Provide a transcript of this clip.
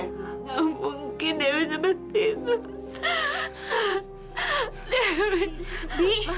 enggak mungkin dewi seperti itu